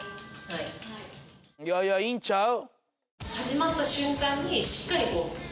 いやいやいいんちゃう？